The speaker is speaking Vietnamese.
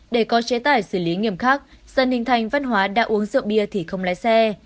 để có chế tài xử lý nghiêm khắc dần hình thành văn hóa đã uống rượu bia thì không lái xe